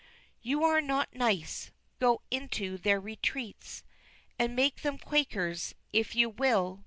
XVIII. You are not nice go into their retreats, And make them Quakers, if you will.